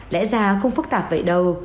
lẽ ra không phức tạp vậy đâu